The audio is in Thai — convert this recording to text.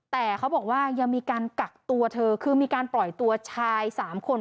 แต่เขาบอกว่ายังมีการกักตัวเธอคือมีการปล่อยตัวชาย๓คน